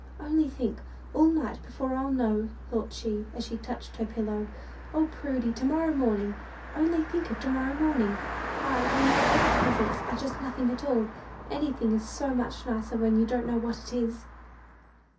"Only think; all night before I'll know," thought she, as she touched her pillow. "O, Prudy, to morrow morning! Only think of to morrow morning I All my other presents are just nothing at all. Anything is so much nicer when you don't know what it is!"